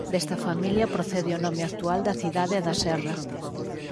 Desta familia procede o nome actual da cidade e da serra.